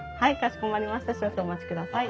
少々お待ちください。